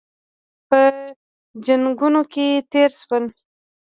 په جنګونو کې تېر شول.